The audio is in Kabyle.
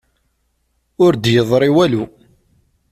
Ur d-yeḍṛi walu.